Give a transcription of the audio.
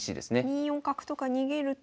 ２四角とか逃げると。